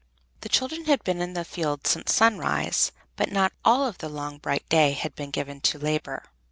The children had been in the field since sunrise, but not all of the long bright day had been given to labor.